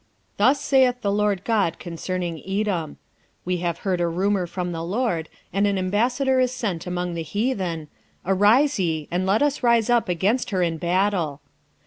Thus saith the Lord GOD concerning Edom; We have heard a rumour from the LORD, and an ambassador is sent among the heathen, Arise ye, and let us rise up against her in battle.